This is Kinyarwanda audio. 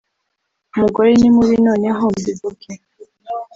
Umugore ni mubi noneho mbivuge